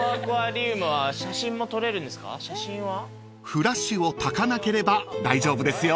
［フラッシュをたかなければ大丈夫ですよ］